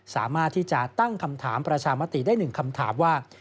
สามารถที่จะตั้งคำถามประชามติได้๑คำถามว่า